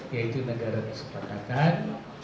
yaitu negara kesepakatan